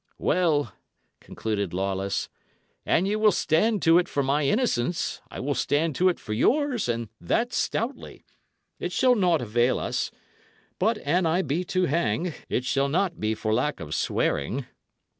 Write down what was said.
"Well," concluded Lawless, "an ye will stand to it for my innocence, I will stand to it for yours, and that stoutly. It shall naught avail us; but an I be to hang, it shall not be for lack of swearing."